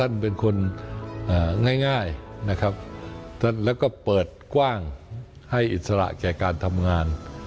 เป็นคนง่ายนะครับแล้วก็เปิดกว้างให้อิสระแก่การทำงาน